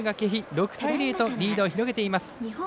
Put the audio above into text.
６対０とリードを広げています。